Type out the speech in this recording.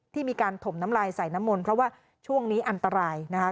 ที่มีการถมน้ำลายใส่น้ำมนต์เพราะว่าช่วงนี้อันตรายนะคะ